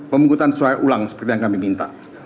pemungkutan suara ulang seperti yang kami minta